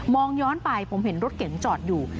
ย้อนไปผมเห็นรถเก๋งจอดอยู่